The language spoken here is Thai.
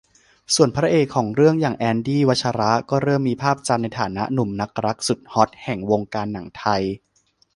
ส่วนพระเอกของเรื่องอย่าง แอนดี้ วัชระ ก็เริ่มมีภาพจำในฐานะหนุ่มนักรักสุดฮอตแห่งวงการหนังไทย